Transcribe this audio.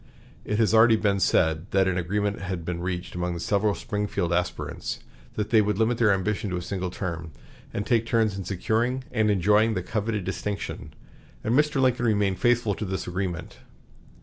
It has already been said that an agreement had been reached among the several Springfield aspirants, that they would limit their ambition to a single term, and take turns in securing and enjoying the coveted distinction; and Mr. Lincoln remained faithful to this agreement.